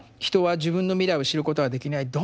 「人は自分の未来を知ることはできない。